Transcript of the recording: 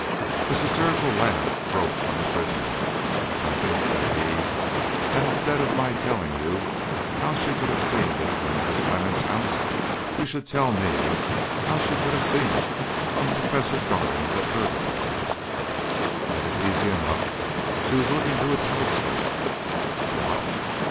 A satirical laugh broke from the prisoner. "I think," said he, "that instead of my telling you how she could have seen this from Mrs. Clemmens' house, you should tell me how she could have seen it from Professor Darling's observatory." "That is easy enough. She was looking through a telescope." "What?"